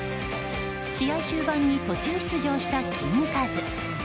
試合終盤に途中出場したキングカズ。